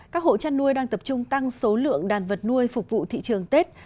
các hộ chăn nuôi đang tập trung tăng số lượng đàn vật nuôi phục vụ thị trường tết